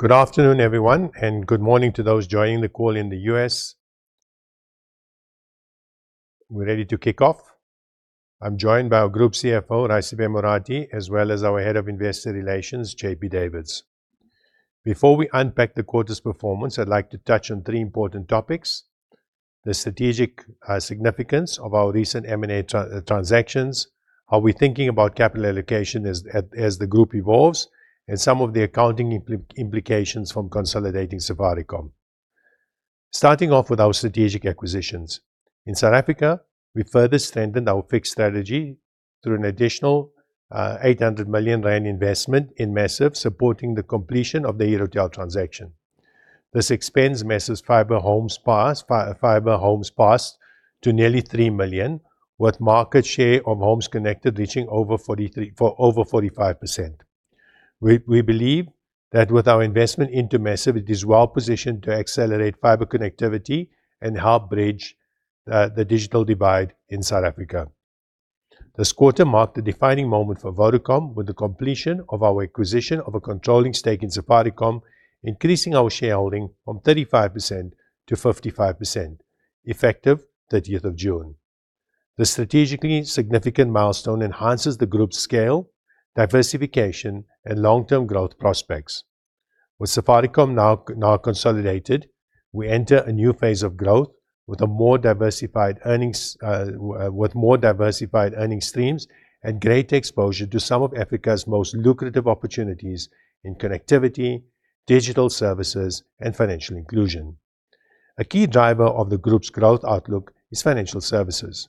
Good afternoon, everyone, and good morning to those joining the call in the U.S. We're ready to kick off. I'm joined by our Group CFO, Raisibe Morathi, as well as our Head of Investor Relations, JP Davids. Before we unpack the quarter's performance, I'd like to touch on three important topics: the strategic significance of our recent M&A transactions, how we're thinking about capital allocation as the group evolves, and some of the accounting implications from consolidating Safaricom. Starting off with our strategic acquisitions. In South Africa, we further strengthened our fixed strategy through an additional 800 million rand investment in Maziv, supporting the completion of the Herotel transaction. This expands Maziv's fiber homes passed to nearly 3 million, with market share of homes connected reaching over 45%. We believe that with our investment into Maziv, it is well positioned to accelerate fiber connectivity and help bridge the digital divide in South Africa. This quarter marked a defining moment for Vodacom with the completion of our acquisition of a controlling stake in Safaricom, increasing our shareholding from 35% to 55%, effective 30th of June. This strategically significant milestone enhances the group's scale, diversification, and long-term growth prospects. With Safaricom now consolidated, we enter a new phase of growth with more diversified earning streams and greater exposure to some of Africa's most lucrative opportunities in connectivity, digital services, and financial inclusion. A key driver of the group's growth outlook is financial services.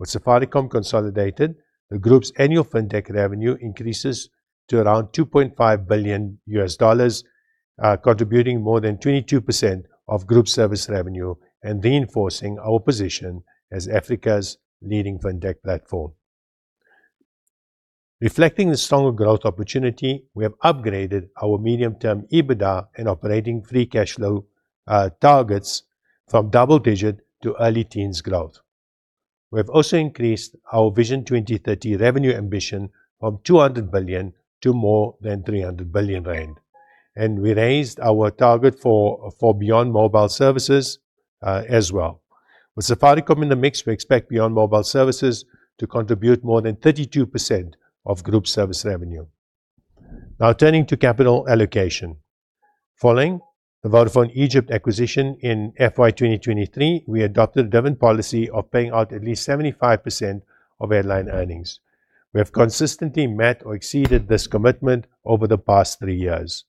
With Safaricom consolidated, the group's annual fintech revenue increases to around $2.5 billion, contributing more than 22% of group service revenue and reinforcing our position as Africa's leading fintech platform. Reflecting the stronger growth opportunity, we have upgraded our medium-term EBITDA and operating free cash flow targets from double digit to early teens growth. We have also increased our Vision 2030 revenue ambition from 200 billion to more than 300 billion rand, and we raised our target for beyond mobile services as well. With Safaricom in the mix, we expect beyond mobile services to contribute more than 32% of group service revenue. Now turning to capital allocation. Following the Vodafone Egypt acquisition in FY 2023, we adopted a dividend policy of paying out at least 75% of headline earnings. We have consistently met or exceeded this commitment over the past three years,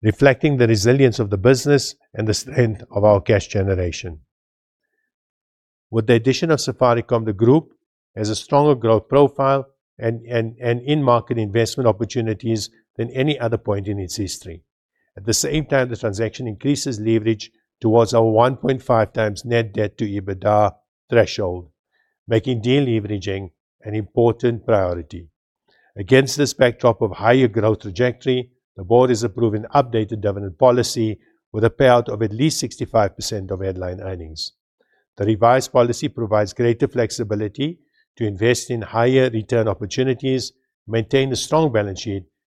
reflecting the resilience of the business and the strength of our cash generation. With the addition of Safaricom, the group has a stronger growth profile and in-market investment opportunities than any other point in its history. At the same time, the transaction increases leverage towards our 1.5 times net debt to EBITDA threshold, making de-leveraging an important priority. Against this backdrop of higher growth trajectory, the board has approved an updated dividend policy with a payout of at least 65% of headline earnings. The revised policy provides greater flexibility to invest in higher return opportunities, maintain a strong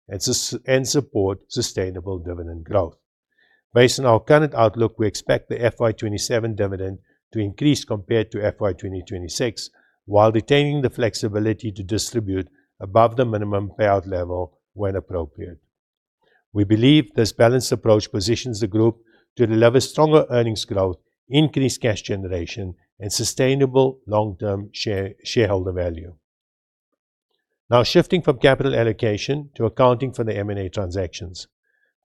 balance sheet, and support sustainable dividend growth. Based on our current outlook, we expect the FY 2027 dividend to increase compared to FY 2026, while retaining the flexibility to distribute above the minimum payout level when appropriate. We believe this balanced approach positions the group to deliver stronger earnings growth, increased cash generation, and sustainable long-term shareholder value. Now shifting from capital allocation to accounting for the M&A transactions.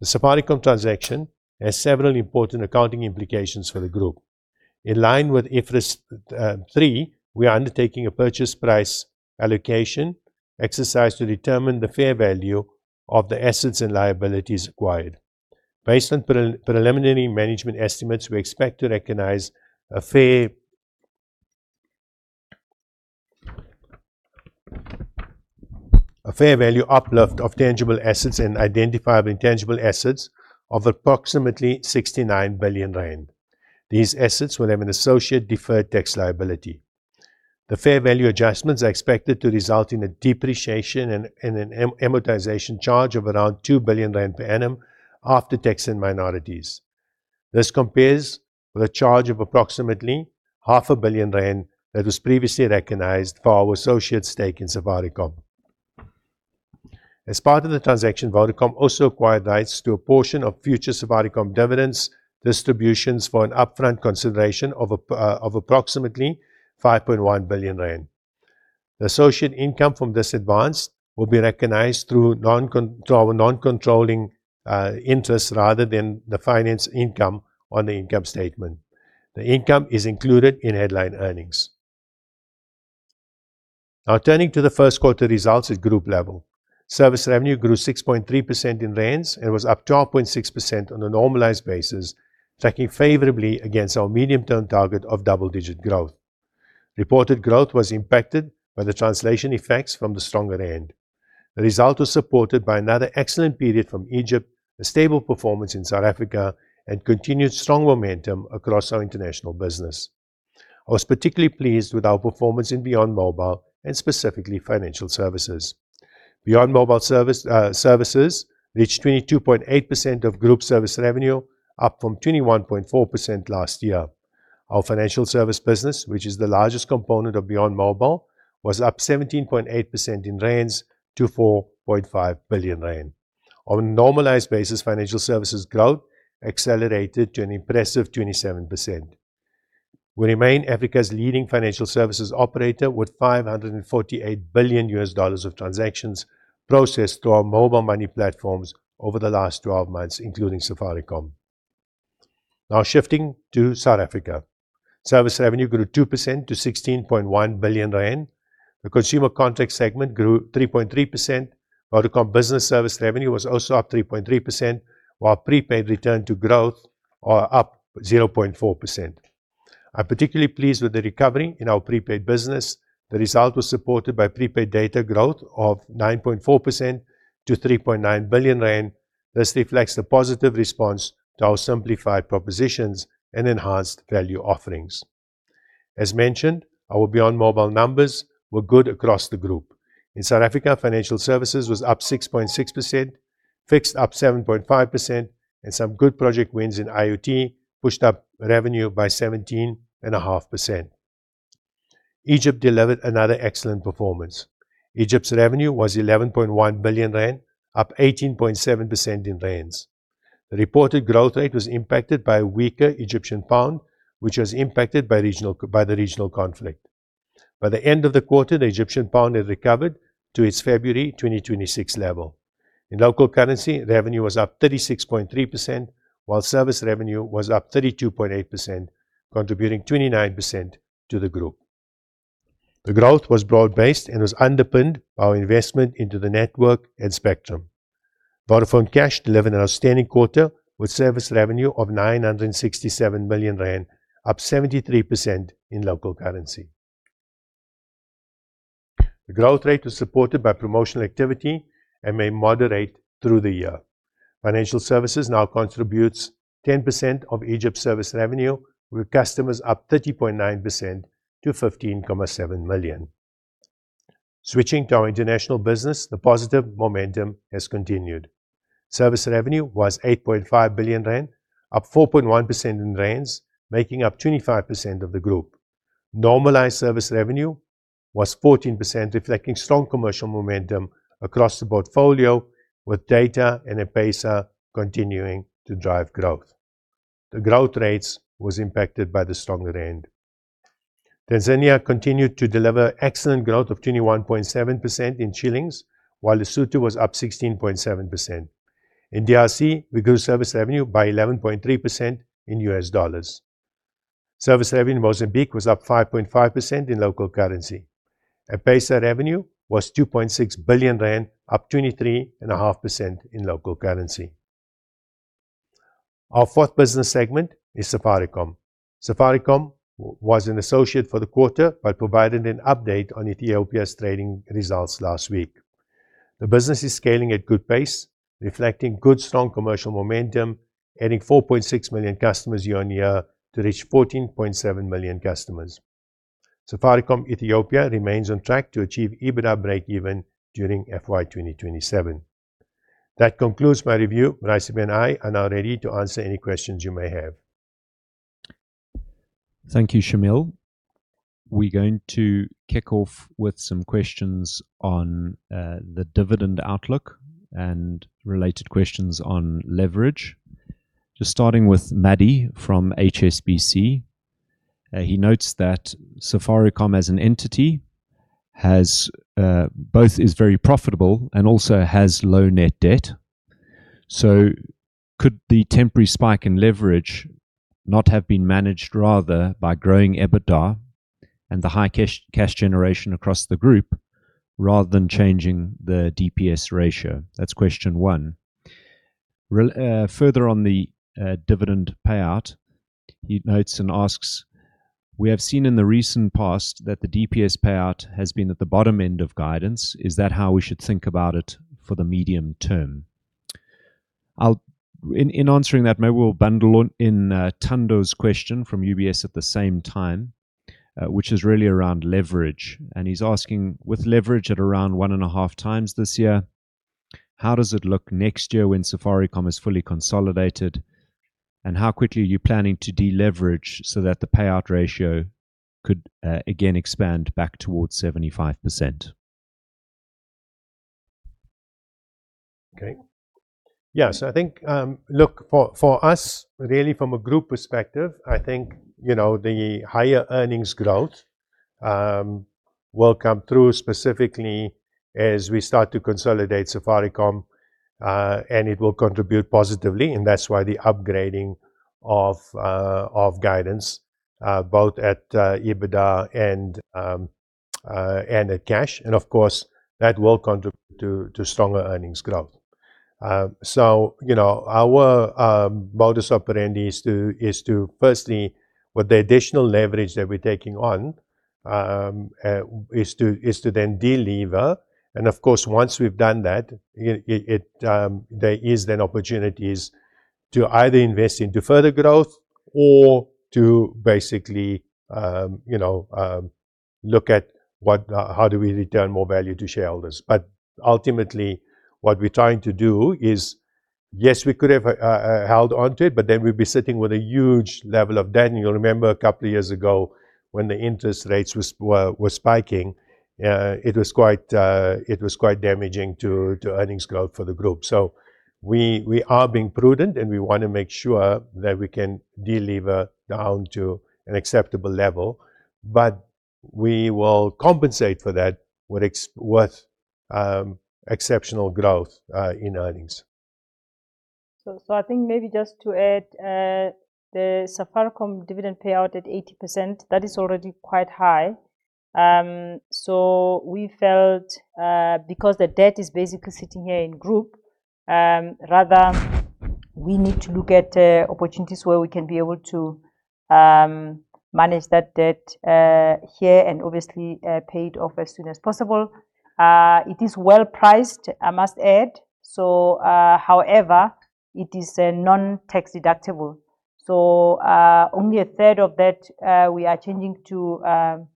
The Safaricom transaction has several important accounting implications for the group. In line with IFRS 3, we are undertaking a purchase price allocation exercise to determine the fair value of the assets and liabilities acquired. Based on preliminary management estimates, we expect to recognize a fair value uplift of tangible assets and identifiable intangible assets of approximately 69 billion rand. These assets will have an associate deferred tax liability. The fair value adjustments are expected to result in a depreciation and an amortization charge of around 2 billion rand per annum after tax in minorities. This compares with a charge of approximately ZAR half a billion that was previously recognized for our associate stake in Safaricom. As part of the transaction, Vodacom also acquired rights to a portion of future Safaricom dividends distributions for an upfront consideration of approximately ZAR 5.1 billion. Turning to the first quarter results at group level. Service revenue grew 6.3% in ZAR and was up 12.6% on a normalized basis, tracking favorably against our medium-term target of double-digit growth. Reported growth was impacted by the translation effects from the stronger ZAR. The result was supported by another excellent period from Egypt, a stable performance in South Africa, and continued strong momentum across our international business. I was particularly pleased with our performance in Beyond Mobile, and specifically Financial Services. Beyond Mobile Services reached 22.8% of group service revenue, up from 21.4% last year. Our Financial Services business, which is the largest component of Beyond Mobile, was up 17.8% in ZAR to 4.5 billion rand. On a normalized basis, Financial Services growth accelerated to an impressive 27%. We remain Africa's leading Financial Services operator, with $548 billion of transactions processed through our mobile money platforms over the last 12 months, including Safaricom. Shifting to South Africa. Service revenue grew 2% to 16.1 billion rand. The consumer contract segment grew 3.3%, Vodacom Business service revenue was also up 3.3%, while prepaid returned to growth or up 0.4%. I'm particularly pleased with the recovery in our prepaid business. The result was supported by prepaid data growth of 9.4% to 3.9 billion rand. This reflects the positive response to our simplified propositions and enhanced value offerings. As mentioned, our Beyond Mobile numbers were good across the group. In South Africa, Financial Services was up 6.6%, Fixed up 7.5%, and some good project wins in IoT pushed up revenue by 17.5%. Egypt delivered another excellent performance. Egypt's revenue was 11.1 billion rand, up 18.7% in ZAR. The reported growth rate was impacted by a weaker Egyptian pound, which was impacted by the regional conflict. By the end of the quarter, the Egyptian pound had recovered to its February 2026 level. In local currency, revenue was up 36.3%, while service revenue was up 32.8%, contributing 29% to the group. The growth was broad-based and was underpinned by our investment into the network and spectrum. Vodafone Cash delivered an outstanding quarter, with service revenue of 967 million rand, up 73% in local currency. The growth rate was supported by promotional activity and may moderate through the year. Financial Services now contributes 10% of Egypt's service revenue, with customers up 30.9% to 15.7 million. Switching to our international business, the positive momentum has continued. Service revenue was 8.5 billion rand, up 4.1% in ZAR, making up 25% of the group. Normalized service revenue was 14%, reflecting strong commercial momentum across the portfolio, with data and M-PESA continuing to drive growth. The growth rates was impacted by the stronger ZAR. Tanzania continued to deliver excellent growth of 21.7% in shillings, while Lesotho was up 16.7%. In DRC, we grew service revenue by 11.3% in $ dollars. Service revenue in Mozambique was up 5.5% in local currency. M-PESA revenue was 2.6 billion rand, up 23.5% in local currency. Our fourth business segment is Safaricom. Safaricom was an associate for the quarter but provided an update on Ethiopia's trading results last week. The business is scaling at good pace, reflecting good, strong commercial momentum, adding 4.6 million customers year-on-year to reach 14.7 million customers. Safaricom Ethiopia remains on track to achieve EBITDA breakeven during FY 2027. That concludes my review. Raisibe and I are now ready to answer any questions you may have. Thank you, Shameel. We're going to kick off with some questions on the dividend outlook and related questions on leverage. Just starting with Maddie from HSBC. He notes that Safaricom as an entity both is very profitable and also has low net debt. Could the temporary spike in leverage not have been managed rather by growing EBITDA and the high cash generation across the group rather than changing the DPS ratio? That's question one. Further on the dividend payout, he notes and asks, "We have seen in the recent past that the DPS payout has been at the bottom end of guidance. Is that how we should think about it for the medium term?" In answering that, maybe we'll bundle in Thando's question from UBS at the same time, which is really around leverage. He's asking: With leverage at around 1.5 times this year, how does it look next year when Safaricom is fully consolidated? How quickly are you planning to deleverage so that the payout ratio could again expand back towards 75%? Okay. Yeah. I think, look, for us really from a group perspective, I think the higher earnings growth will come through specifically as we start to consolidate Safaricom, and it will contribute positively, and that's why the upgrading of guidance both at EBITDA and at cash, and of course, that will contribute to stronger earnings growth. Our modus operandi is to firstly, with the additional leverage that we're taking on is to then de-lever. Of course, once we've done that, there is then opportunities to either invest into further growth or to basically look at how do we return more value to shareholders. Ultimately, what we're trying to do is, yes, we could have held onto it, but then we'd be sitting with a huge level of debt. You'll remember a couple of years ago when the interest rates were spiking, it was quite damaging to earnings growth for the group. We are being prudent, and we want to make sure that we can de-lever down to an acceptable level. We will compensate for that with exceptional growth in earnings. I think maybe just to add, the Safaricom dividend payout at 80%, that is already quite high. We felt because the debt is basically sitting here in group, rather, we need to look at opportunities where we can be able to manage that debt here and obviously pay it off as soon as possible. It is well priced, I must add. However, it is non tax deductible. Only a third of that we are changing to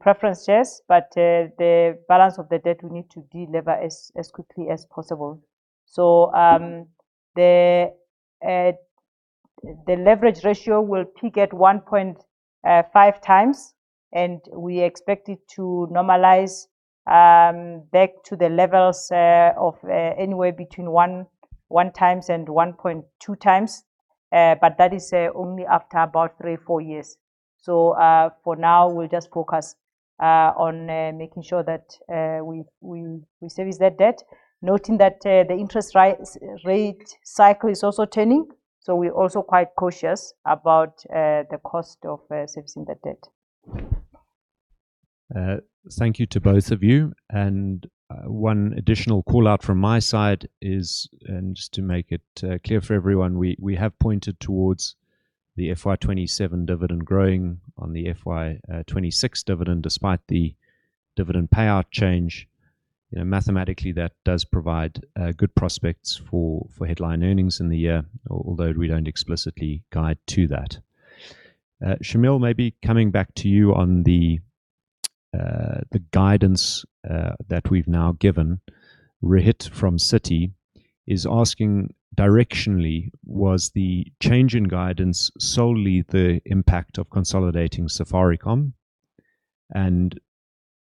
preferences, but the balance of the debt we need to de-lever as quickly as possible. The leverage ratio will peak at 1.5 times, and we expect it to normalize back to the levels of anywhere between one times and 1.2 times. That is only after about three, four years. For now, we'll just focus on making sure that we service that debt, noting that the interest rate cycle is also turning. We're also quite cautious about the cost of servicing the debt. Thank you to both of you. One additional call-out from my side is, just to make it clear for everyone, we have pointed towards the FY 2027 dividend growing on the FY 2026 dividend, despite the dividend payout change. Mathematically, that does provide good prospects for headline earnings in the year, although we don't explicitly guide to that. Shameel, maybe coming back to you on the guidance that we've now given. Rohit from Citi is asking, directionally, was the change in guidance solely the impact of consolidating Safaricom?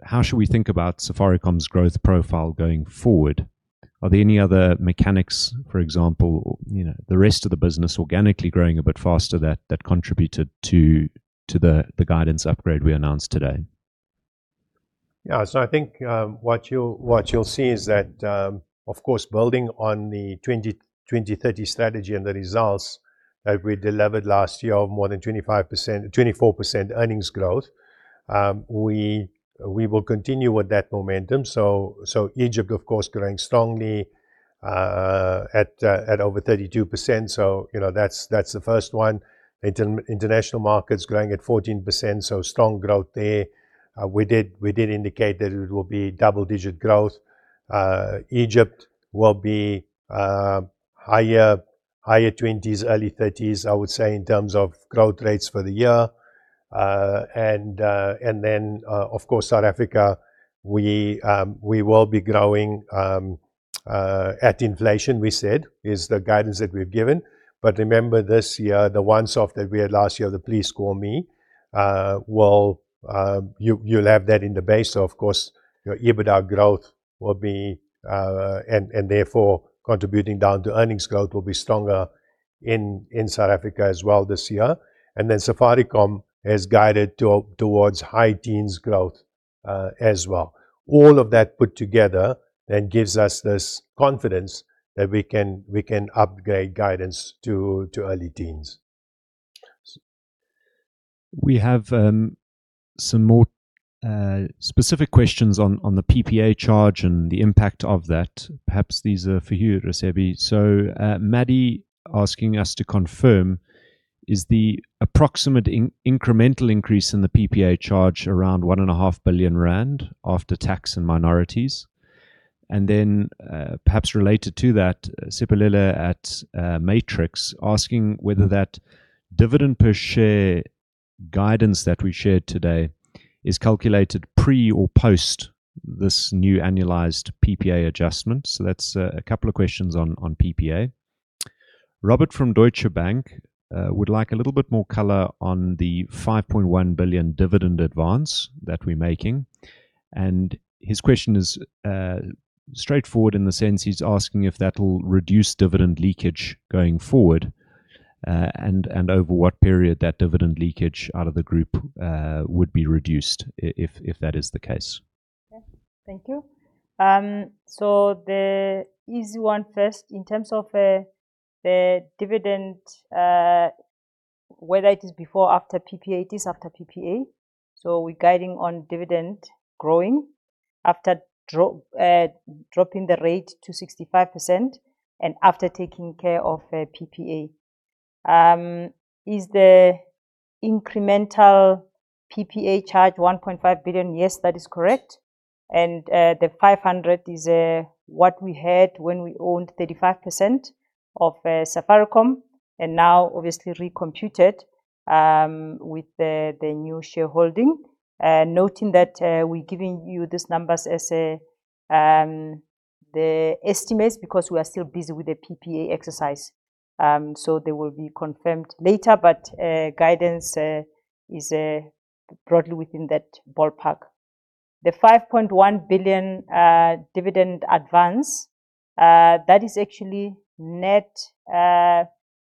How should we think about Safaricom's growth profile going forward? Are there any other mechanics, for example, the rest of the business organically growing a bit faster that contributed to the guidance upgrade we announced today? I think what you'll see is that, of course, building on the Vision 2030 strategy and the results that we delivered last year of more than 24% earnings growth, we will continue with that momentum. Egypt, of course, growing strongly at over 32%. That's the first one. International markets growing at 14%, strong growth there. We did indicate that it will be double-digit growth. Egypt will be higher 20s, early 30s, I would say, in terms of growth rates for the year. Of course, South Africa, we will be growing at inflation, we said, is the guidance that we've given. Remember this year, the once-off that we had last year, the Please Call Me. You'll have that in the base, of course, your EBITDA growth, therefore contributing down to earnings growth, will be stronger in South Africa as well this year. Safaricom has guided towards high teens growth as well. All of that put together gives us this confidence that we can upgrade guidance to early teens. We have some more specific questions on the PPA charge and the impact of that. Perhaps these are for you, Raisibe. Maddie asking us to confirm, is the approximate incremental increase in the PPA charge around 1.5 billion rand after tax and minorities? Perhaps related to that, Sipulele at Matrix asking whether that dividend per share guidance that we shared today is calculated pre or post this new annualized PPA adjustment. That's a couple of questions on PPA. Robert from Deutsche Bank would like a little bit more color on the 5.1 billion dividend advance that we're making. His question is straightforward in the sense he's asking if that'll reduce dividend leakage going forward, and over what period that dividend leakage out of the group would be reduced if that is the case. Okay. Thank you. The easy one first. In terms of the dividend, whether it is before or after PPA, it is after PPA. We're guiding on dividend growing after dropping the rate to 65% and after taking care of PPA. Is the incremental PPA charge 1.5 billion? Yes, that is correct. The 500 million is what we had when we owned 35% of Safaricom, and now obviously recomputed with the new shareholding. Noting that we're giving you these numbers as the estimates because we are still busy with the PPA exercise. They will be confirmed later, but guidance is broadly within that ballpark. The 5.1 billion dividend advance, that is actually net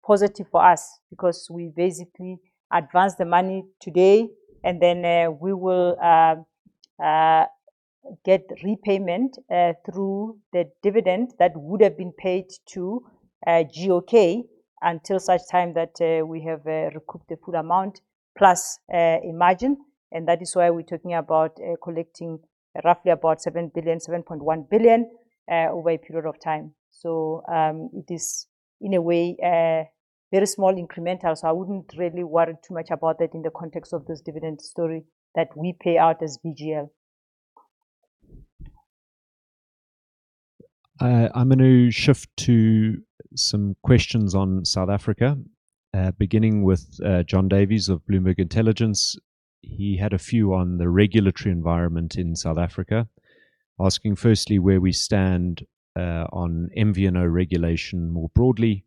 positive for us because we basically advance the money today and then we will get repayment through the dividend that would've been paid to GOK until such time that we have recouped the full amount plus a margin. That is why we're talking about collecting roughly about 7 billion, 7.1 billion, over a period of time. It is in a way very small incremental, so I wouldn't really worry too much about that in the context of this dividend story that we pay out as VGL. I'm going to shift to some questions on South Africa. Beginning with John Davies of Bloomberg Intelligence. He had a few on the regulatory environment in South Africa, asking firstly where we stand on MVNO regulation more broadly.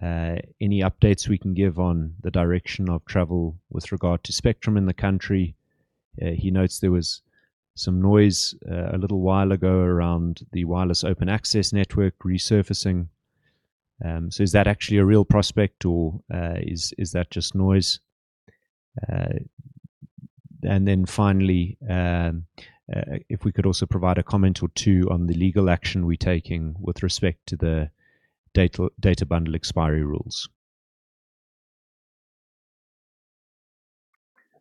Any updates we can give on the direction of travel with regard to spectrum in the country? He notes there was some noise a little while ago around the wireless open access network resurfacing. Is that actually a real prospect or is that just noise? Then finally, if we could also provide a comment or two on the legal action we're taking with respect to the data bundle expiry rules.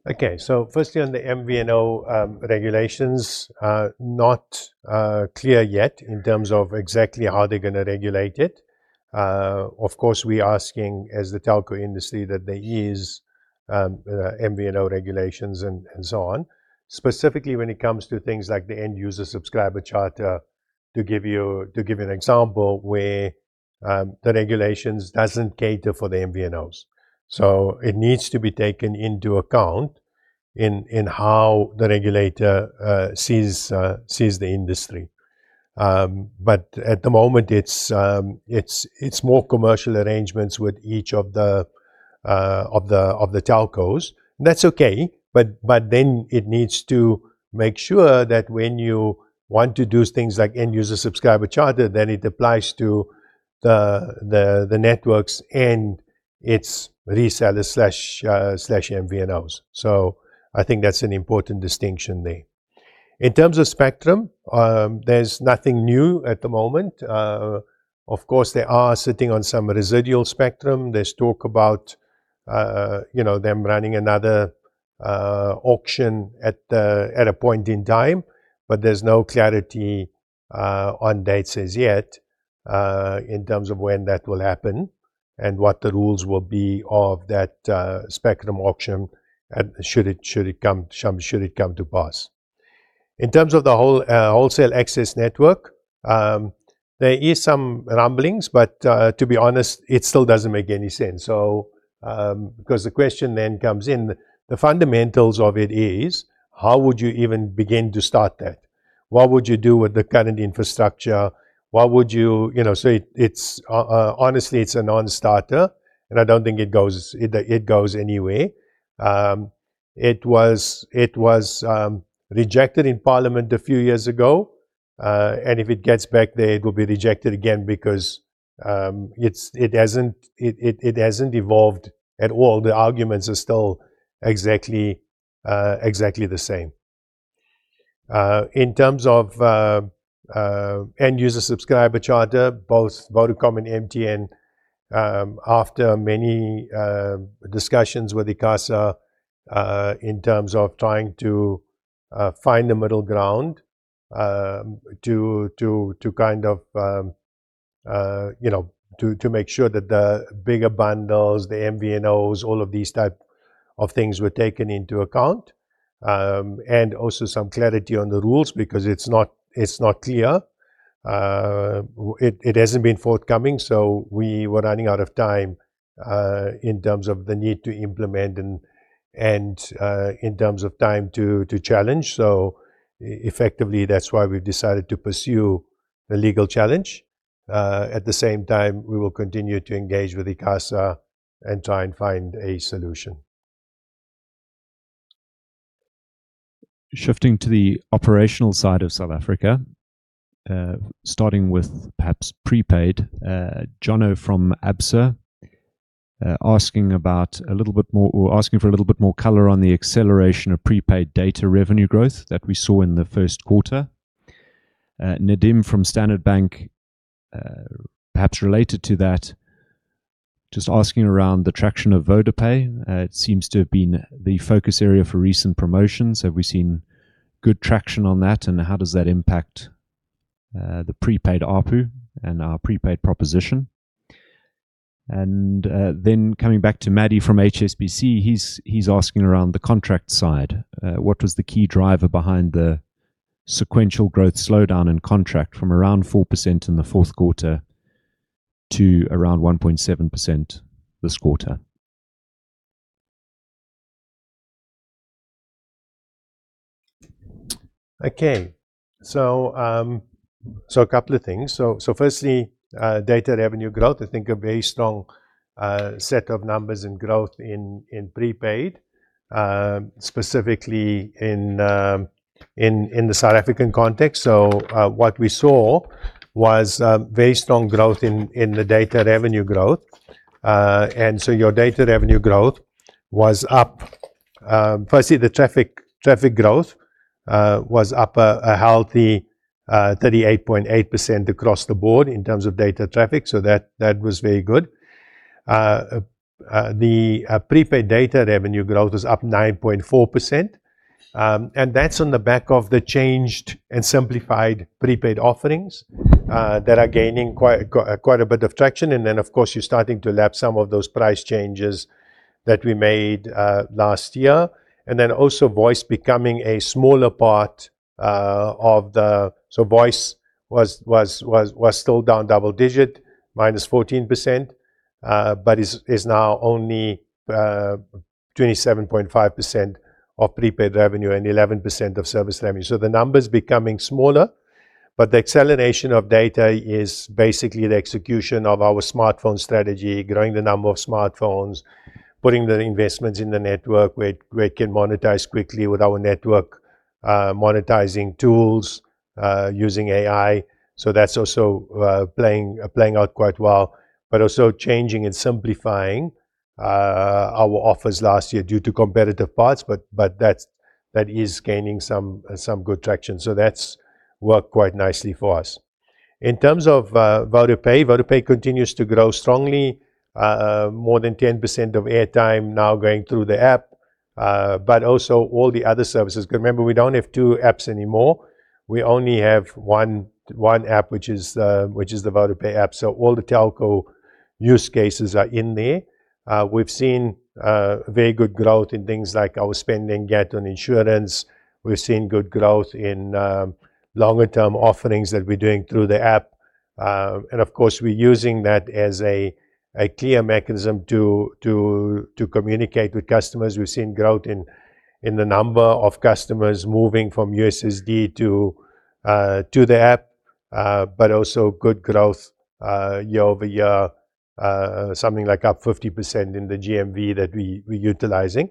Okay. Firstly on the MVNO regulations, not clear yet in terms of exactly how they're going to regulate it. Of course, we are asking as the telco industry that they ease MVNO regulations and so on. Specifically when it comes to things like the End-User and Subscriber Service Charter to give you an example where the regulations doesn't cater for the MVNOs. It needs to be taken into account in how the regulator sees the industry. At the moment it's more commercial arrangements with each of the telcos, and that's okay. Then it needs to make sure that when you want to do things like End-User and Subscriber Service Charter, then it applies to the networks and its resellers/MVNOs. I think that's an important distinction there. In terms of spectrum, there's nothing new at the moment. Of course, they are sitting on some residual spectrum. There's talk about them running another auction at a point in time. There's no clarity on dates as yet in terms of when that will happen and what the rules will be of that spectrum auction, should it come to pass. In terms of the wireless open access network, there is some rumblings, but to be honest, it still doesn't make any sense. The question then comes in, the fundamentals of it is: how would you even begin to start that? What would you do with the current infrastructure? Honestly, it's a non-starter, and I don't think it goes anywhere. It was rejected in Parliament a few years ago. If it gets back there, it will be rejected again because it hasn't evolved at all. The arguments are still exactly the same. In terms of End-User and Subscriber Service Charter, both Vodacom and MTN, after many discussions with ICASA in terms of trying to find a middle ground to make sure that the bigger bundles, the MVNOs, all of these type 2 things were taken into account. Also some clarity on the rules because it's not clear. It hasn't been forthcoming. We were running out of time in terms of the need to implement and in terms of time to challenge. Effectively, that's why we've decided to pursue a legal challenge. At the same time, we will continue to engage with ICASA and try and find a solution. Shifting to the operational side of South Africa. Starting with perhaps prepaid. Jono from Absa asking for a little bit more color on the acceleration of prepaid data revenue growth that we saw in the first quarter. Nadeem from Standard Bank, perhaps related to that, just asking around the traction of VodaPay. It seems to have been the focus area for recent promotions. Have we seen good traction on that, and how does that impact the prepaid ARPU and our prepaid proposition. Coming back to Maddie from HSBC, he's asking around the contract side. What was the key driver behind the sequential growth slowdown in contract from around 4% in the fourth quarter to around 1.7% this quarter? A couple of things. Data revenue growth, I think a very strong set of numbers in growth in prepaid, specifically in the South African context. What we saw was very strong growth in the data revenue growth. Your data revenue growth was up. The traffic growth was up a healthy 38.8% across the board in terms of data traffic, so that was very good. The prepaid data revenue growth was up 9.4%, and that's on the back of the changed and simplified prepaid offerings that are gaining quite a bit of traction. Of course, you're starting to lap some of those price changes that we made last year. Also voice becoming a smaller part. Voice was still down double digit, -14%, but is now only 27.5% of prepaid revenue and 11% of service revenue. The number's becoming smaller, the acceleration of data is basically the execution of our smartphone strategy, growing the number of smartphones, putting the investments in the network where it can monetize quickly with our network monetizing tools using AI. That's also playing out quite well. Changing and simplifying our offers last year due to competitive parts, but that is gaining some good traction. That's worked quite nicely for us. In terms of VodaPay continues to grow strongly, more than 10% of airtime now going through the app. All the other services, because remember, we don't have two apps anymore. We only have one app, which is the VodaPay app. All the telco use cases are in there. We've seen very good growth in things like our spend and get on insurance. We've seen good growth in longer-term offerings that we're doing through the app. Of course, we're using that as a clear mechanism to communicate with customers. We've seen growth in the number of customers moving from USSD to the app, but also good growth year-over-year, something like up 50% in the GMV that we're utilizing.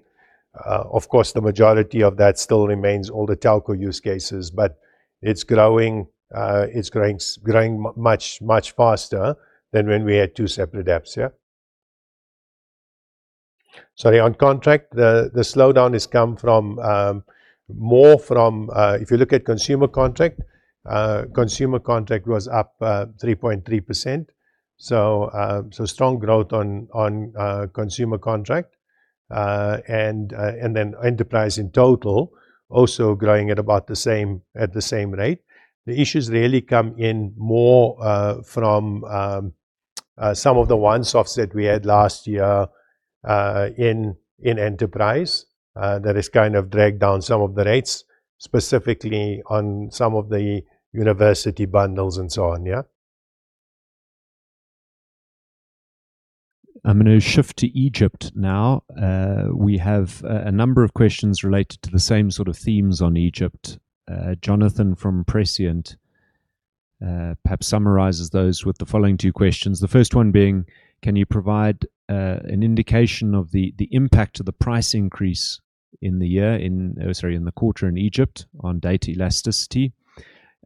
Of course, the majority of that still remains all the telco use cases, but it's growing much, much faster than when we had two separate apps. Yeah. Sorry. On contract, the slowdown has come more from. If you look at consumer contract, consumer contract was up 3.3%. Strong growth on consumer contract. Then enterprise in total also growing at about the same rate. The issues really come in more from some of the once-offs that we had last year in enterprise, that has kind of dragged down some of the rates, specifically on some of the university bundles and so on. Yeah. I'm going to shift to Egypt now. We have a number of questions related to the same sort of themes on Egypt. Jonathan from Prescient perhaps summarizes those with the following two questions. The first one being: can you provide an indication of the impact of the price increase in the year in the quarter in Egypt on data elasticity?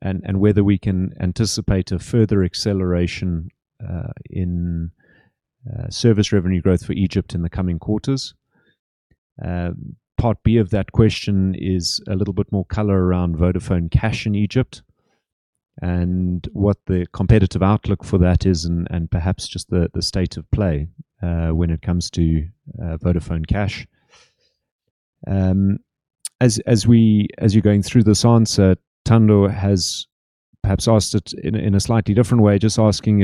Whether we can anticipate a further acceleration in service revenue growth for Egypt in the coming quarters. Part B of that question is a little bit more color around Vodafone Cash in Egypt and what the competitive outlook for that is and perhaps just the state of play when it comes to Vodafone Cash. As you're going through this answer, Thando has perhaps asked it in a slightly different way, just asking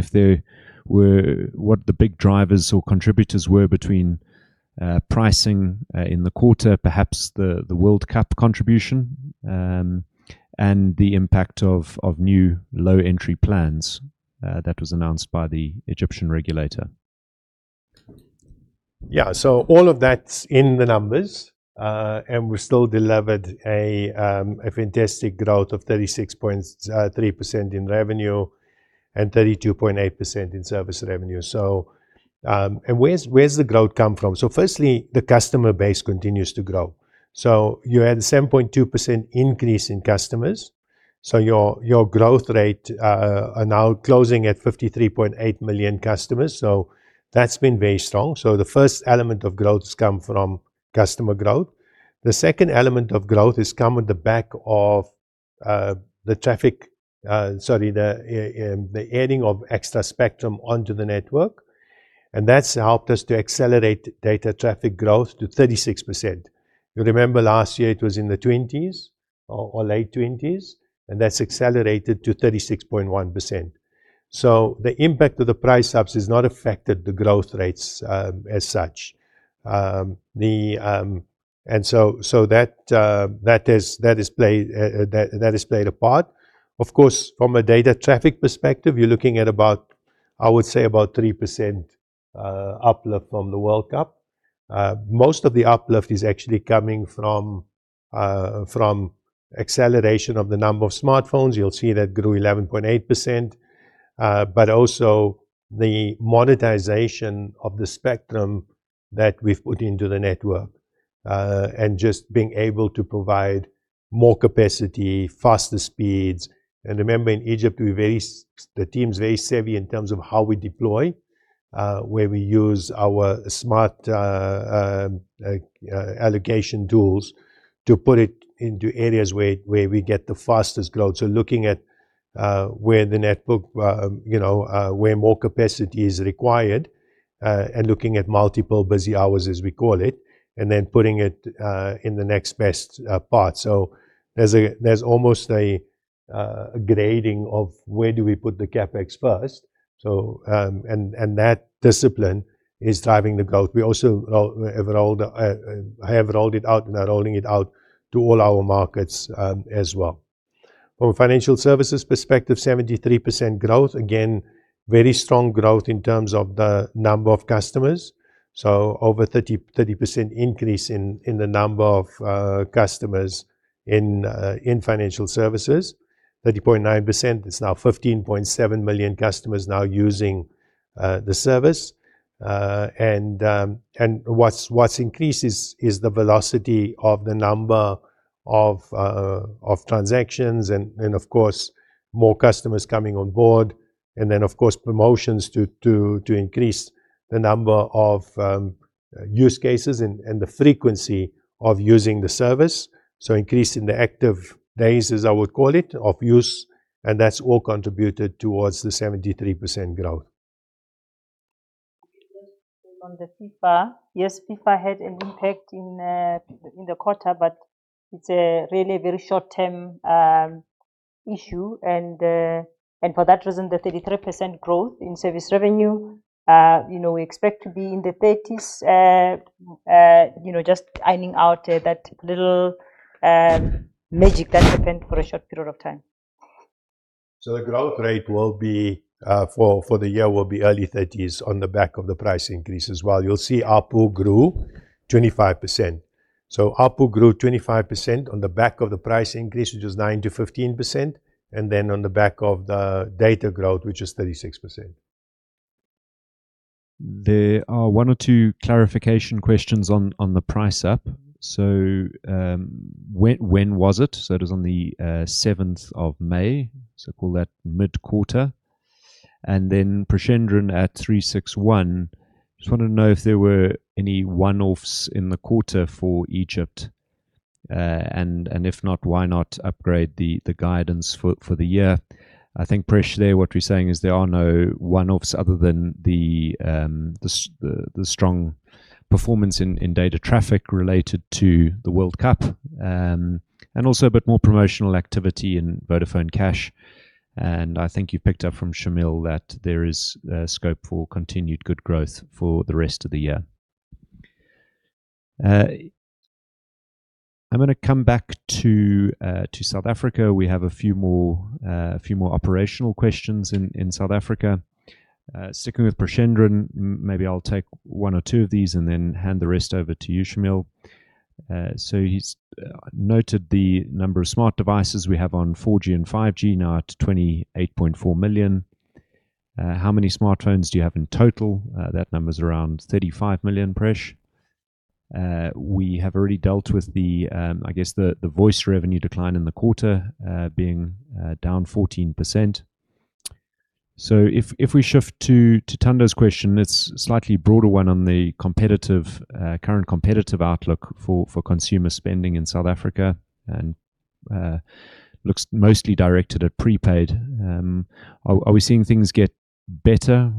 what the big drivers or contributors were between pricing in the quarter, perhaps the World Cup contribution, and the impact of new low-entry plans that was announced by the Egyptian regulator. So all of that's in the numbers. We still delivered a fantastic growth of 36.3% in revenue and 32.8% in service revenue. Where's the growth come from? Firstly, the customer base continues to grow. So you had a 7.2% increase in customers. So your growth rate are now closing at 53.8 million customers. So that's been very strong. So the first element of growth has come from customer growth. The second element of growth has come at the back of the adding of extra spectrum onto the network. That's helped us to accelerate data traffic growth to 36%. You remember last year it was in the 20s or late 20s, and that's accelerated to 36.1%. So the impact of the price ups has not affected the growth rates as such. That has played a part. Of course, from a data traffic perspective, you're looking at about, I would say about 3% uplift from the World Cup. Most of the uplift is actually coming from acceleration of the number of smartphones. You'll see that grew 11.8%, but also the monetization of the spectrum that we've put into the network, and just being able to provide more capacity, faster speeds. And remember, in Egypt, the team's very savvy in terms of how we deploy, where we use our smart allocation tools to put it into areas where we get the fastest growth. So looking at where more capacity is required, and looking at multiple busy hours, as we call it, and then putting it in the next best part. So there's almost a grading of where do we put the CapEx first. And that discipline is driving the growth. We also have rolled it out, and are rolling it out to all our markets as well. From a financial services perspective, 73% growth. Again, very strong growth in terms of the number of customers. So over 30% increase in the number of customers in financial services. 30.9%, it's now 15.7 million customers now using the service. What's increased is the velocity of the number of transactions and, of course, more customers coming on board. Of course, promotions to increase the number of use cases and the frequency of using the service. So increase in the active days, as I would call it, of use. And that's all contributed towards the 73% growth. On the FIFA. Yes, FIFA had an impact in the quarter, but it's a really very short-term issue. For that reason, the 33% growth in service revenue, we expect to be in the 30s, just ironing out that little magic that happened for a short period of time. The growth rate for the year will be early 30s on the back of the price increase as well. You'll see ARPU grew 25%. ARPU grew 25% on the back of the price increase, which was 9%-15%, on the back of the data growth, which was 36%. There are one or two clarification questions on the price up. When was it? It was on the 7th of May. Call that mid-quarter. Preshendran at 361, just wanted to know if there were any one-offs in the quarter for Egypt. If not, why not upgrade the guidance for the year? I think Presh there, what we're saying is there are no one-offs other than the strong performance in data traffic related to the World Cup. Also a bit more promotional activity in Vodafone Cash. I think you picked up from Shameel that there is scope for continued good growth for the rest of the year. I'm going to come back to South Africa. We have a few more operational questions in South Africa. Sticking with Preshendran, maybe I'll take one or two of these and then hand the rest over to you, Shameel. He's noted the number of smart devices we have on 4G and 5G now at 28.4 million. How many smartphones do you have in total? That number's around 35 million, Presh. We have already dealt with the voice revenue decline in the quarter, being down 14%. If we shift to Thando's question, it's a slightly broader one on the current competitive outlook for consumer spending in South Africa, and looks mostly directed at prepaid. Are we seeing things get better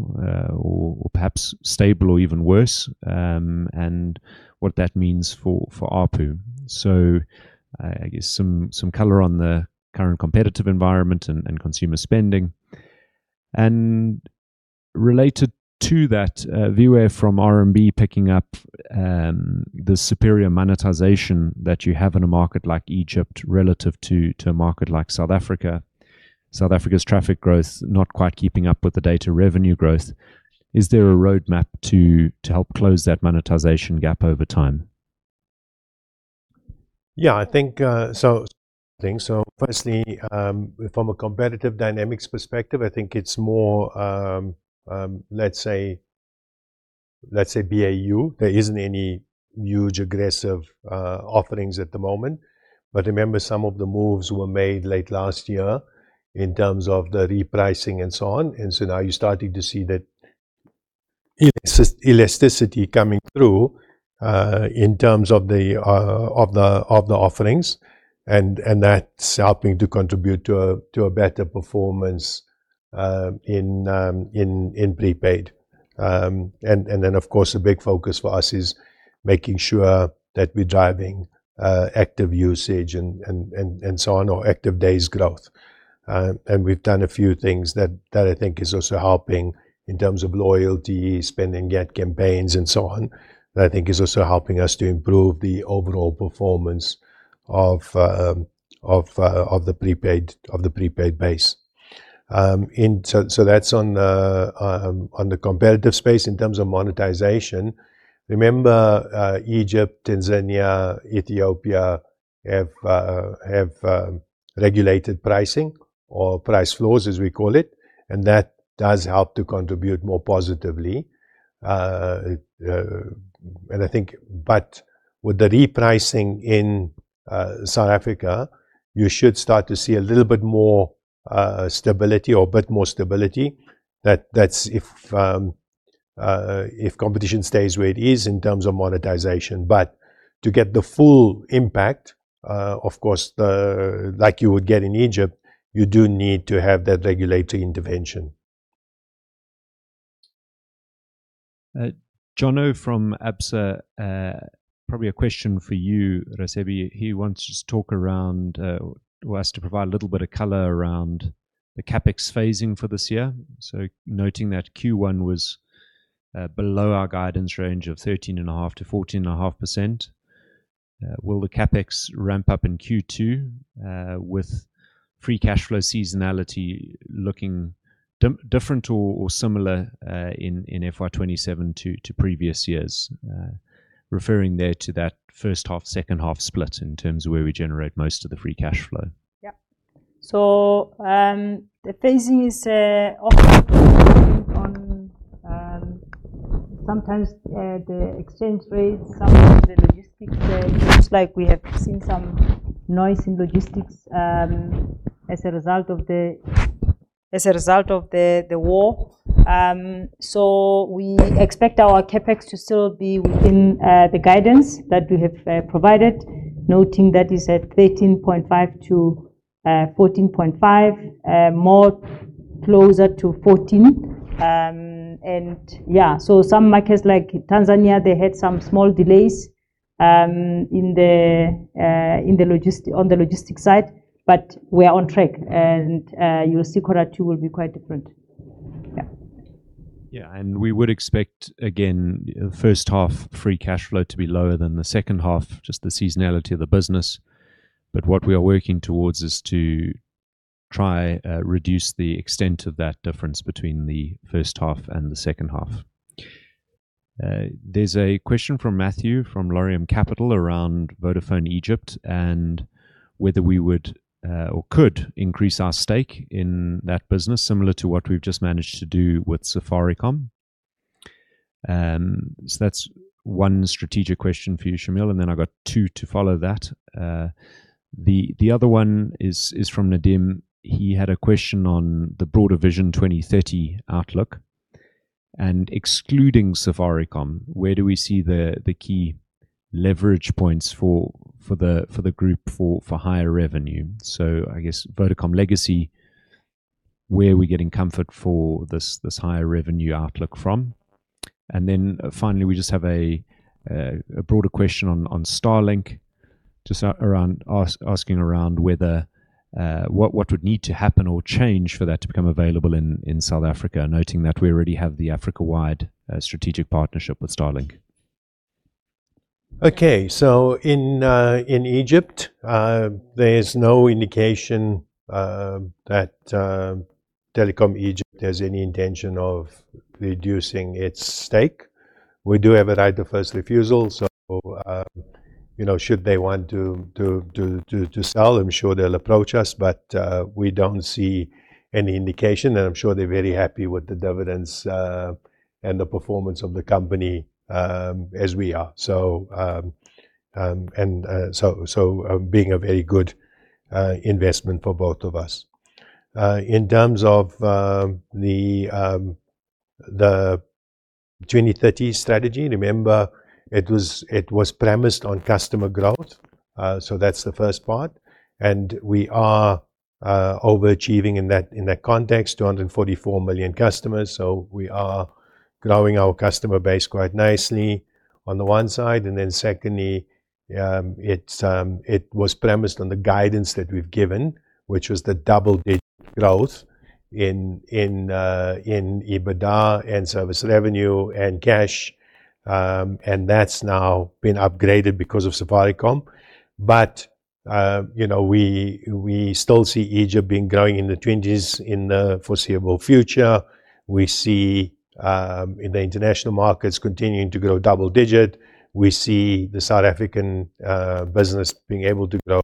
or perhaps stable or even worse? What that means for ARPU. I guess some color on the current competitive environment and consumer spending. Related to that, Viwe from RMB picking up the superior monetization that you have in a market like Egypt relative to a market like South Africa. South Africa's traffic growth not quite keeping up with the data revenue growth. Is there a roadmap to help close that monetization gap over time? Firstly, from a competitive dynamics perspective, I think it's more, let's say BAU. There isn't any huge aggressive offerings at the moment. But remember some of the moves were made late last year in terms of the repricing and so on. Now you're starting to see that elasticity coming through, in terms of the offerings. That's helping to contribute to a better performance in prepaid. Then, of course, a big focus for us is making sure that we're driving active usage and so on, or active days growth. We've done a few things that I think is also helping in terms of loyalty, spending campaigns and so on, that I think is also helping us to improve the overall performance of the prepaid base. So that's on the competitive space. Egypt, Tanzania, Ethiopia have regulated pricing or price floors, as we call it, and that does help to contribute more positively. But with the repricing in South Africa, you should start to see a bit more stability. That's if competition stays where it is in terms of monetization. But to get the full impact, of course, like you would get in Egypt, you do need to have that regulatory intervention. Jono from Absa, probably a question for you, Raisibe. He asked to provide a little bit of color around the CapEx phasing for this year. Noting that Q1 was below our guidance range of 13.5%-14.5%. Will the CapEx ramp up in Q2 with free cash flow seasonality looking different or similar in FY 2027 to previous years? Referring there to that first half, second half split in terms of where we generate most of the free cash flow. Yeah. So, the phasing is often dependent on sometimes the exchange rates, sometimes the logistics. It looks like we have seen some noise in logistics as a result of the war. So we expect our CapEx to still be within the guidance that we have provided, noting that it's at 13.5-14.5, more closer to 14. And yeah, so some markets like Tanzania, they had some small delays on the logistics side, but we are on track and you will see quarter two will be quite different. Yeah. We would expect, again, first half free cash flow to be lower than the second half, just the seasonality of the business. But what we are working towards is to try reduce the extent of that difference between the first half and the second half. There's a question from Matthew from Laurium Capital around Vodafone Egypt and whether we would, or could increase our stake in that business similar to what we've just managed to do with Safaricom. So that's one strategic question for you, Shameel, and then I've got two to follow that. The other one is from Nadeem. He had a question on the broader Vision 2030 outlook, and excluding Safaricom, where do we see the key leverage points for the group for higher revenue? So I guess Vodacom legacy, where are we getting comfort for this higher revenue outlook from? Then finally, we just have a broader question on Starlink, asking around what would need to happen or change for that to become available in South Africa, noting that we already have the Africa-wide strategic partnership with Starlink. In Egypt, there is no indication that Telecom Egypt has any intention of reducing its stake. We do have a right of first refusal. So, should they want to sell, I'm sure they'll approach us. But we don't see any indication, and I'm sure they're very happy with the dividends, and the performance of the company as we are. So, being a very good investment for both of us. In terms of the 2030 strategy, remember it was premised on customer growth, so that's the first part. And we are overachieving in that context, 244 million customers. So we are growing our customer base quite nicely on the one side. And then secondly, it was premised on the guidance that we've given, which was the double-digit growth in EBITDA and service revenue and cash. And that's now been upgraded because of Safaricom. We still see Egypt being growing in the 20s in the foreseeable future. We see the international markets continuing to grow double-digit. We see the South African business being able to grow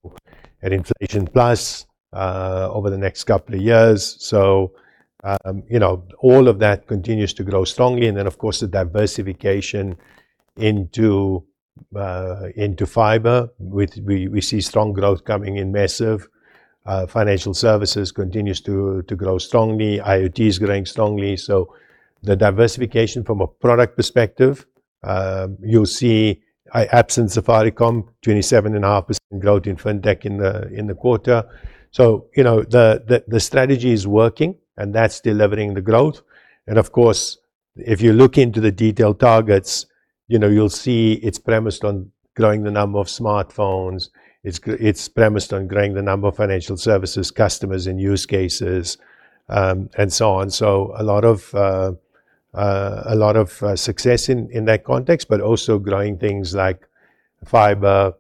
at inflation plus over the next couple of years. All of that continues to grow strongly. Of course, the diversification into fiber. We see strong growth coming in Maziv. Financial services continues to grow strongly. IoT is growing strongly. The diversification from a product perspective, you'll see Absent Safaricom, 27.5% growth in FinTech in the quarter. The strategy is working, and that's delivering the growth. Of course, if you look into the detailed targets, you'll see it's premised on growing the number of smartphones. It's premised on growing the number of financial services customers and use cases, and so on. A lot of success in that context, but also growing things like fiber.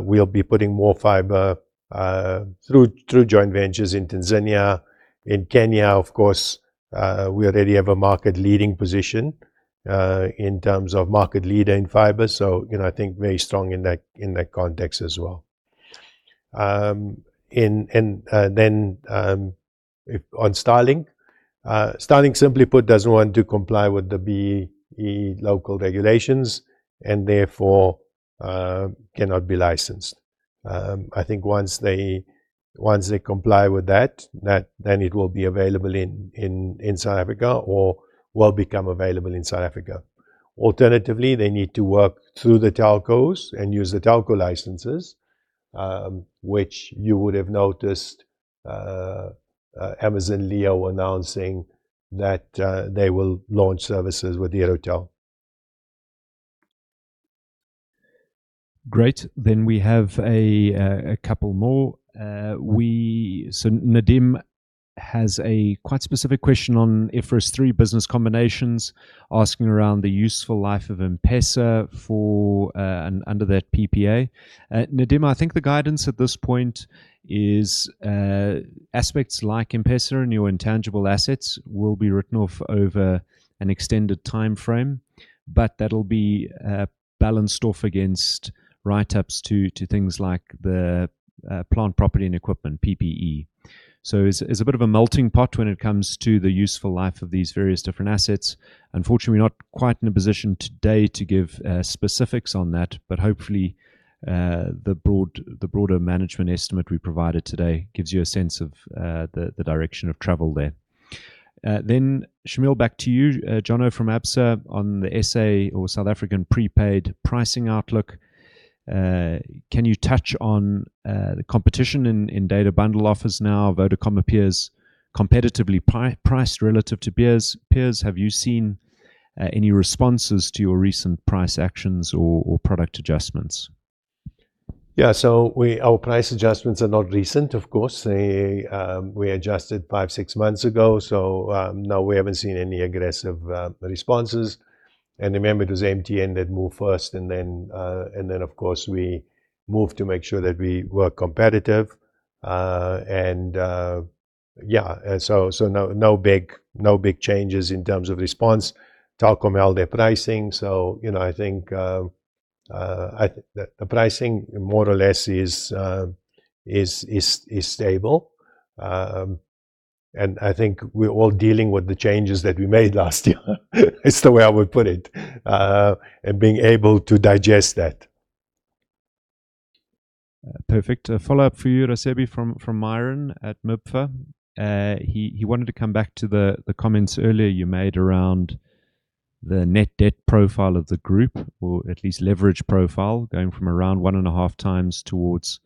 We'll be putting more fiber through joint ventures in Tanzania. In Kenya, of course, we already have a market-leading position in terms of market leader in fiber. I think very strong in that context as well. On Starlink. Starlink, simply put, doesn't want to comply with the B-BBEE local regulations, and therefore cannot be licensed. I think once they comply with that, then it will be available in South Africa or will become available in South Africa. Alternatively, they need to work through the telcos and use the telco licenses, which you would have noticed, Amazon LEO announcing that they will launch services with Herotel. Great. We have a couple more. Nadeem has a quite specific question on IFRS 3 business combinations, asking around the useful life of M-PESA under that PPA. Nadeem, I think the guidance at this point is aspects like M-PESA and your intangible assets will be written off over an extended timeframe. That'll be balanced off against write-ups to things like the plant property and equipment, PPE. It's a bit of a melting pot when it comes to the useful life of these various different assets. Unfortunately, we're not quite in a position today to give specifics on that. Hopefully, the broader management estimate we provided today gives you a sense of the direction of travel there. Shameel, back to you. Jono from Absa on the SA or South African prepaid pricing outlook. Can you touch on the competition in data bundle offers now? Vodacom appears competitively priced relative to peers. Have you seen any responses to your recent price actions or product adjustments? Yeah. Our price adjustments are not recent, of course. We adjusted five, six months ago. No, we haven't seen any aggressive responses. Remember, it was MTN that moved first, and then, of course, we moved to make sure that we were competitive. Yeah. No big changes in terms of response. Telkom, all their pricing. I think the pricing more or less is stable. I think we're all dealing with the changes that we made last year. It's the way I would put it. Being able to digest that. Perfect. A follow-up for you, Raisibe, from Myron at MIBA. He wanted to come back to the comments earlier you made around the net debt profile of the group, or at least leverage profile, going from around 1.5 times towards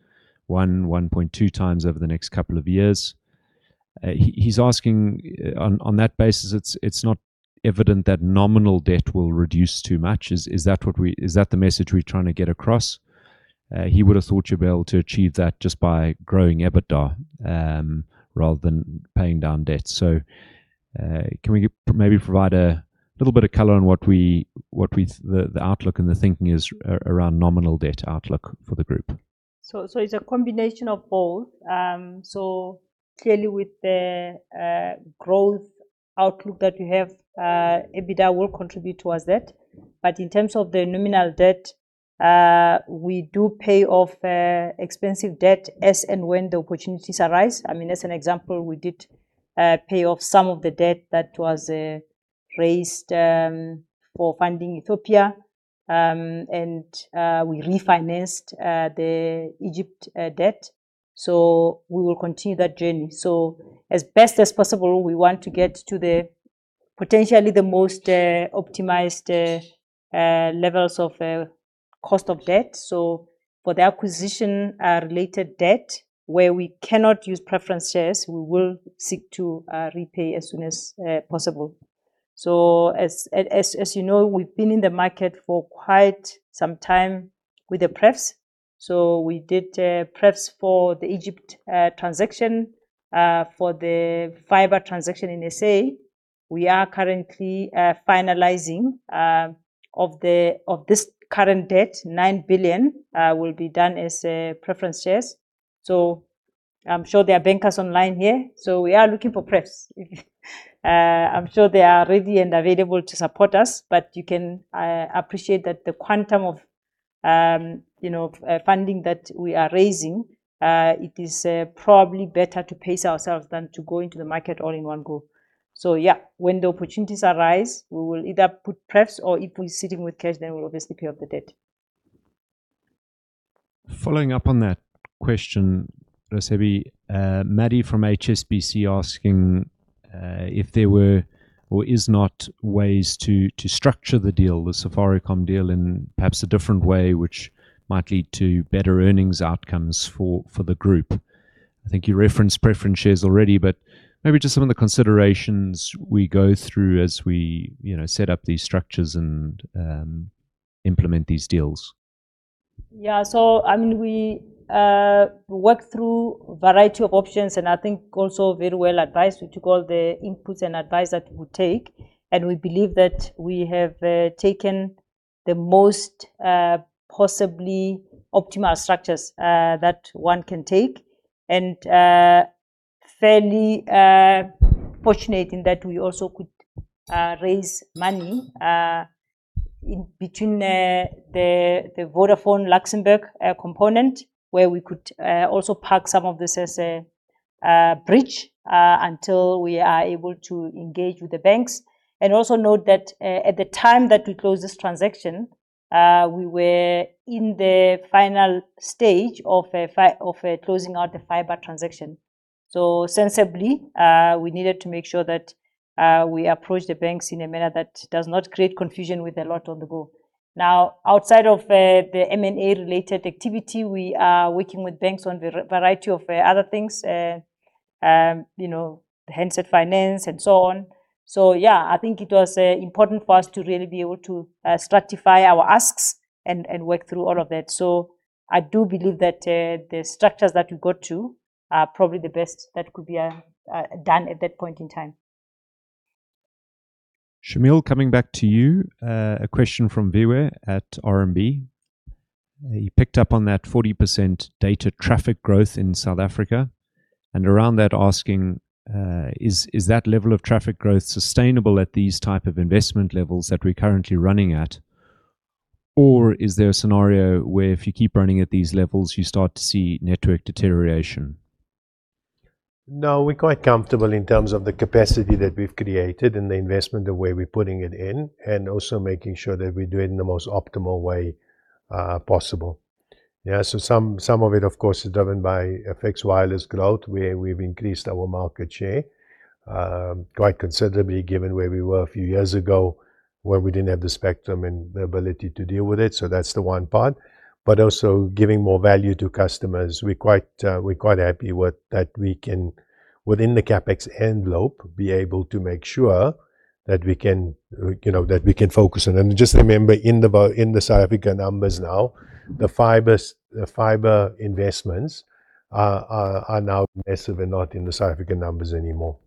1.2 times over the next couple of years. He's asking, on that basis, it's not evident that nominal debt will reduce too much. Is that the message we're trying to get across? He would've thought you'd be able to achieve that just by growing EBITDA, rather than paying down debt. Can we maybe provide a little bit of color on what the outlook and the thinking is around nominal debt outlook for the group? It's a combination of both. Clearly, with the growth outlook that we have, EBITDA will contribute towards that. In terms of the nominal debt, we do pay off expensive debt as and when the opportunities arise. As an example, we did pay off some of the debt that was raised for funding Ethiopia. We refinanced the Egypt debt. We will continue that journey. As best as possible, we want to get to potentially the most optimized levels of cost of debt. For the acquisition-related debt, where we cannot use preference shares, we will seek to repay as soon as possible. As you know, we've been in the market for quite some time with the prefs. We did prefs for the Egypt transaction, for the fiber transaction in S.A. We are currently finalizing of this current debt, 9 billion will be done as preference shares. I'm sure there are bankers online here. We are looking for prefs. I'm sure they are ready and available to support us. You can appreciate that the quantum of funding that we are raising, it is probably better to pace ourselves than to go into the market all in one go. Yeah, when the opportunities arise, we will either put prefs or if we're sitting with cash, then we'll obviously pay off the debt. Following up on that question, Raisibe, Maddie from HSBC asking if there were or is not ways to structure the deal, the Safaricom deal, in perhaps a different way, which might lead to better earnings outcomes for the group. I think you referenced preference shares already, but maybe just some of the considerations we go through as we set up these structures and implement these deals. We worked through variety of options and I think also very well advised. We took all the inputs and advice that we could take, and we believe that we have taken the most possibly optimal structures that one can take. Fairly fortunate in that we also could raise money between the Vodafone Luxembourg component, where we could also park some of this as a bridge until we are able to engage with the banks. Also note that at the time that we closed this transaction, we were in the final stage of closing out the fiber transaction. Sensibly, we needed to make sure that we approach the banks in a manner that does not create confusion with a lot on the go. Now, outside of the M&A related activity, we are working with banks on variety of other things. Handset finance and so on. I think it was important for us to really be able to stratify our asks and work through all of that. I do believe that the structures that we got to are probably the best that could be done at that point in time. Shameel, coming back to you. A question from Viwe at RMB. He picked up on that 40% data traffic growth in South Africa, and around that asking, is that level of traffic growth sustainable at these type of investment levels that we're currently running at? Is there a scenario where if you keep running at these levels, you start to see network deterioration? No, we're quite comfortable in terms of the capacity that we've created and the investment, the way we're putting it in, and also making sure that we do it in the most optimal way possible. Yeah. Some of it, of course, is driven by Fixed Wireless growth, where we've increased our market share quite considerably, given where we were a few years ago, where we didn't have the spectrum and the ability to deal with it. That's the one part. Also giving more value to customers. We're quite happy that we can, within the CapEx envelope, be able to make sure that we can focus on them. Just remember in the South Africa numbers now, the fiber investments are now massive and not in the South African numbers anymore.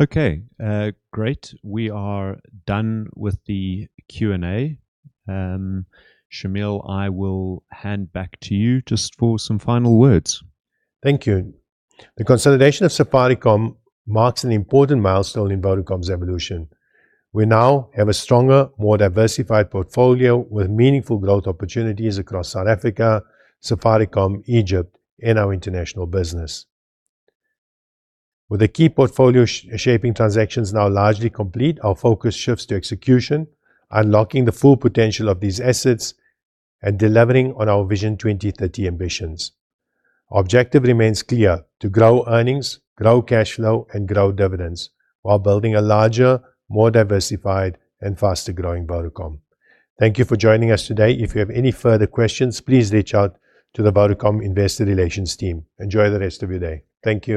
Okay. Great. We are done with the Q and A. Shameel, I will hand back to you just for some final words. Thank you. The consolidation of Safaricom marks an important milestone in Vodacom's evolution. We now have a stronger, more diversified portfolio with meaningful growth opportunities across South Africa, Safaricom, Egypt, and our international business. With the key portfolio shaping transactions now largely complete, our focus shifts to execution, unlocking the full potential of these assets, and delivering on our Vision 2030 ambitions. Our objective remains clear: to grow earnings, grow cash flow, and grow dividends while building a larger, more diversified, and faster-growing Vodacom. Thank you for joining us today. If you have any further questions, please reach out to the Vodacom Investor Relations team. Enjoy the rest of your day. Thank you